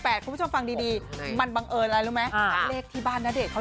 คุณผู้ชมฟังดีมันบังเอิญอะไรรู้ไหมเลขที่บ้านณเดชนเขา